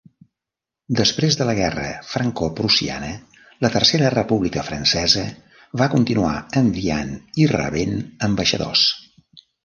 Després de la guerra Francoprussiana, la Tercera República Francesa va continuar enviant i rebent ambaixadors.